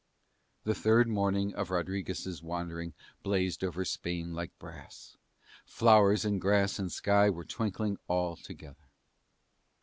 The third morning of Rodriguez' wandering blazed over Spain like brass; flowers and grass and sky were twinkling all together.